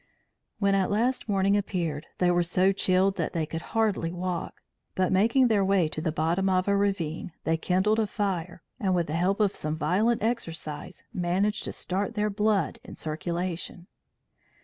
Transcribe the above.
When at last, morning appeared, they were so chilled that they could hardly walk; but making their way to the bottom of a ravine, they kindled a fire, and with the help of some violent exercise, managed to start their blood in circulation.